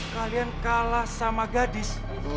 kalian kalah sama gadis